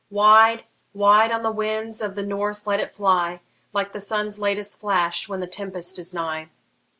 Wide, wide on the winds of the north let it fly, Like the sun's latest flash when the tempest is nigh!